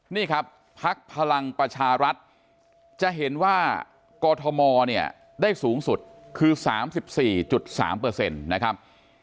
นี่ครับพักพลังประชารัฐจะเห็นว่ากอทมเนี่ยได้สูงสุดคือ๓๔๓นะครับ